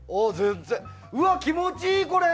うわ、気持ちいい、これ。